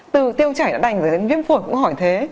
từ tiêu chảy đã đành rồi đến viêm phổi cũng hỏi thế